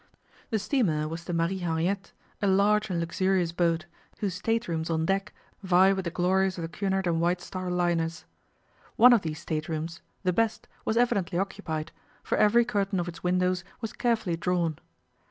The steamer was the Marie Henriette, a large and luxurious boat, whose state rooms on deck vie with the glories of the Cunard and White Star liners. One of these state rooms, the best, was evidently occupied, for every curtain of its windows was carefully drawn.